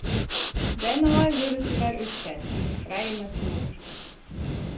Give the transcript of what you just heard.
Dêrnei wurde se wer útset yn de frije natoer.